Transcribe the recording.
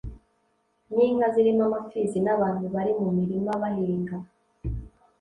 n'inka zirimo amapfizi n'abantu bari mu mirima bahinga.